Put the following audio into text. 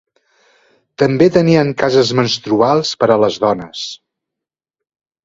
També tenien cases menstruals per a les dones.